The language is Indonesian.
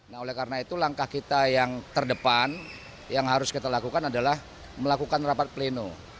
nah oleh karena itu langkah kita yang terdepan yang harus kita lakukan adalah melakukan rapat pleno